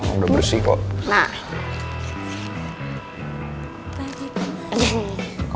udah bersih kok